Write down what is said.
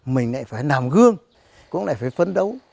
mình lại phải nằm gương cũng lại phải phấn đấu